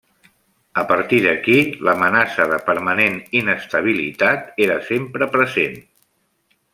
A partir d'aquí, l'amenaça de permanent inestabilitat era sempre present.